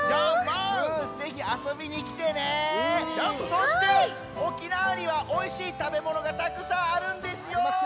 そして沖縄にはおいしいたべものがたくさんあるんですよ。